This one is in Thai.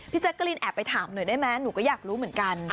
แจ๊กกะลินแอบไปถามหน่อยได้ไหมหนูก็อยากรู้เหมือนกัน